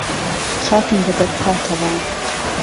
خاکم به بهر پاتهوه